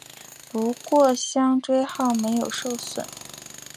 不过香椎号没有受损。